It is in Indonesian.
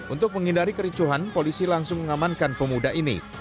untuk menghindari kericuhan polisi langsung mengamankan pemuda ini